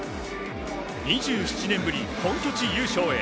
２７年ぶり本拠地優勝へ。